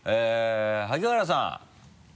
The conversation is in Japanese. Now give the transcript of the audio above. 萩原さん。